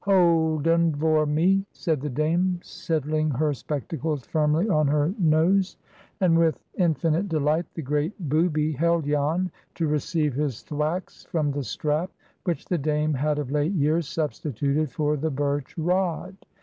"Hold un vor me," said the Dame, settling her spectacles firmly on her nose. And with infinite delight the great booby held Jan to receive his thwacks from the strap which the Dame had of late years substituted for the birch rod.